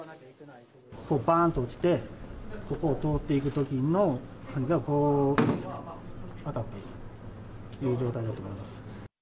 ばーんと落ちて、ここを通っていくときの、船がこう、当たってという状態だと思います。